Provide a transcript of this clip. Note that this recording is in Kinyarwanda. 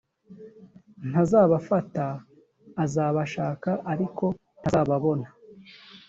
ntazabafata azabashaka ariko ntazababona